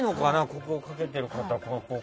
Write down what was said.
ここにかけてる方と。